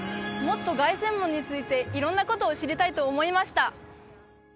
もっと凱旋門について色んなことを知りたいと思いました